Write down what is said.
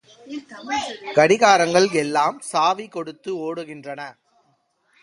கடிகாரங்கள் எல்லாம் சாவி கொடுத்து ஓடுகின்றன.